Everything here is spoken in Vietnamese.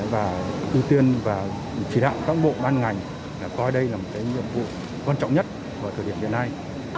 và ưu tiên và chỉ đạo các bộ ban ngành coi đây là một nhiệm vụ quan trọng nhất vào thời điểm hiện nay